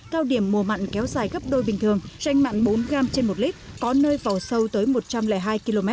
cao điểm mùa mặn kéo dài gấp đôi bình thường tranh mặn bốn gram trên một lít có nơi vào sâu tới một trăm linh hai km